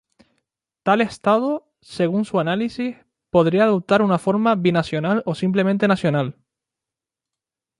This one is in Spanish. Tal Estado, según su análisis, podría adoptar una forma binacional o simplemente nacional.